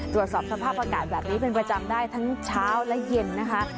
ตรวจสอบสภาพอากาศแบบนี้เป็นประจำได้ทั้งเช้าและเย็นนะคะ